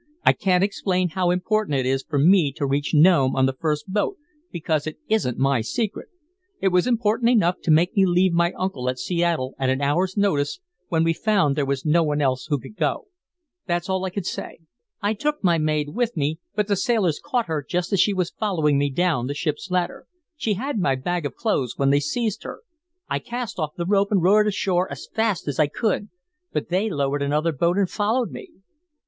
I can't explain how important it is for me to reach Nome on the first boat, because it isn't my secret. It was important enough to make me leave my uncle at Seattle at an hour's notice when we found there was no one else who could go. That's all I can say. I took my maid with me, but the sailors caught her just as she was following me down the ship's ladder. She had my bag of clothes when they seized her. I cast off the rope and rowed ashore as fast as I could, but they lowered another boat and followed me."